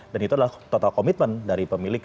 dan itu adalah total komitmen dari pemilik